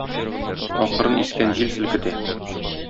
Акрын искән җил селкетә